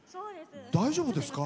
大丈夫ですか？